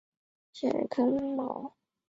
埃尔谢克豪尔毛。